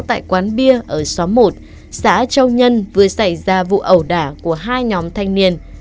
tại quán bia ở xóm một xã châu nhân vừa xảy ra vụ ẩu đả của hai nhóm thanh niên